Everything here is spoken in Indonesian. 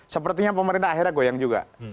sepertinya pemerintah akhirnya goyang juga